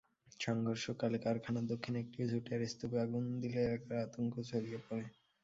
সংঘর্ষকালে কারখানার দক্ষিণে একটি ঝুটের স্তূপে আগুন দিলে এলাকায় আতঙ্ক ছড়িয়ে পড়ে।